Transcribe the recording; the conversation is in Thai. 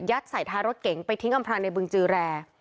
ยัดสัตว์ทารถเก่งไปทิ้งอำพละในบึงจือแร่